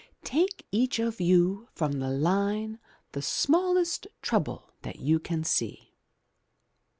Take each of you from the line the smallest trouble that you can see."